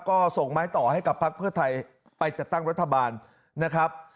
ก็ส่งไม้ต่อให้กับพักเพื่อไทยไปจัดตั้งรัฐบาลนะครับ